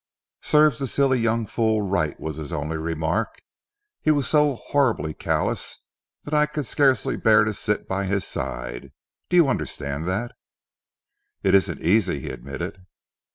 'Serve the silly young fool right!' was his only remark. He was so horribly callous that I could scarcely bear to sit by his side. Do you understand that?" "It isn't easy," he admitted.